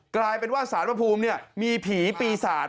กลายเป็นว่าสารพระภูมิมีผีปีศาจ